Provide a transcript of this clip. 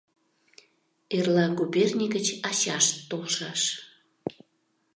Эрла губерний гыч ачашт толшаш.